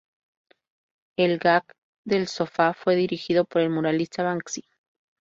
El Gag del sofá fue dirigido por el muralista Banksy.